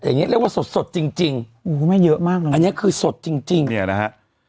อย่างเงี้เรียกว่าสดสดจริงจริงอุ้ยแม่เยอะมากเลยอันนี้คือสดจริงจริงเนี่ยนะฮะ